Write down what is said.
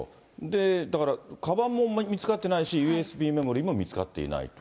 で、だから、かばんも見つかってないし、ＵＳＢメモリーも見つかっていないと。